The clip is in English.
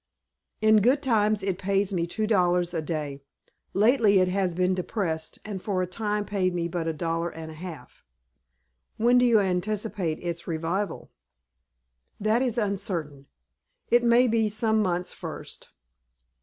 "In good times it pays me two dollars a day. Lately it has been depressed, and for a time paid me but a dollar and a half." "When do you anticipate its revival?" "That is uncertain. It may be some months first."